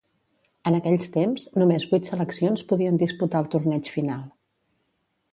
En aquells temps, només vuit seleccions podien disputar el torneig final.